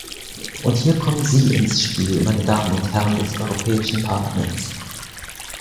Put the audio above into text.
Und hier kommen Sie ins Spiel, meine Damen und Herren des Europäischen Parlaments.